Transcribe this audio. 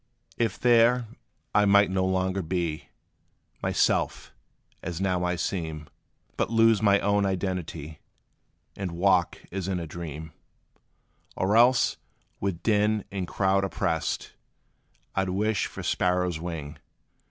If there, I might no longer be Myself, as now I seem, But lose my own identity, And walk, as in a dream; Or else, with din and crowd oppressed, I 'd wish for sparrow's wing.